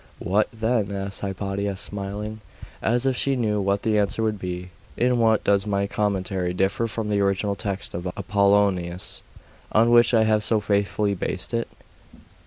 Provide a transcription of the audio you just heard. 'What then?' asked Hypatia, smiling, as if she knew what the answer would be. 'In what does my commentary differ from the original text of Apollonius, on which I have so faithfully based it?